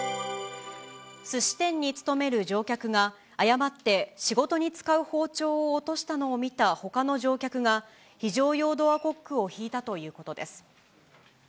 すし店に勤める乗客が、誤って仕事に使う包丁を落としたのを見たほかの乗客が、非常用ドアコックを引いたということです。